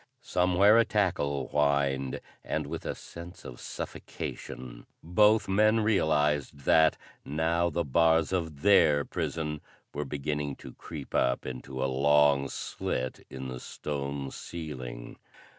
Somewhere a tackle whined and, with a sense of suffocation, both men realised that now the bars of their prison were beginning to creep up into a long slit in the stone ceiling!